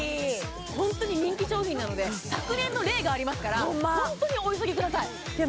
ホントに人気商品なので昨年の例がありますからホントにお急ぎくださいいや